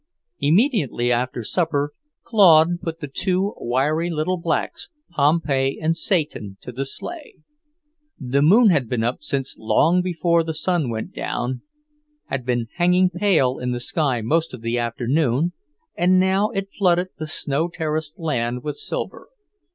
Immediately after supper, Claude put the two wiry little blacks, Pompey and Satan, to the sleigh. The moon had been up since long before the sun went down, had been hanging pale in the sky most of the afternoon, and now it flooded the snow terraced land with silver.